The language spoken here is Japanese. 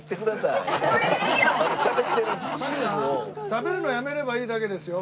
食べるのやめればいいだけですよ。